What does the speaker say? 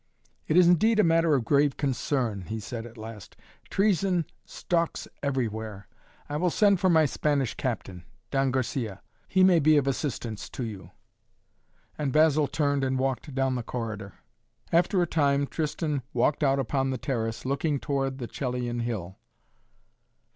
"It is indeed a matter of grave concern," he said at last. "Treason stalks everywhere. I will send for my Spanish Captain, Don Garcia. He may be of assistance to you." And Basil turned and walked down the corridor. After a time Tristan walked out upon the terrace looking toward the Coelian Hill.